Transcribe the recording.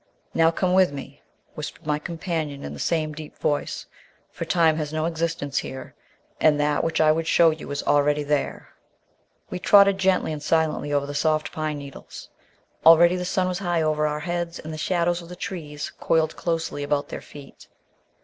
"Now, come with me," whispered my companion in the same deep voice, "for time has no existence here, and that which I would show you is already there!" We trod gently and silently over the soft pine needles. Already the sun was high over our heads, and the shadows of the trees coiled closely about their feet.